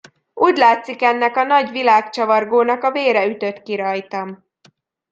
Úgy látszik ennek a nagy világcsavargónak a vére ütött ki rajtam.